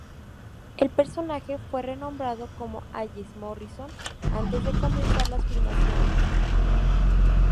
El personaje fue renombrado como Hayes Morrison antes de comenzar las filmaciones.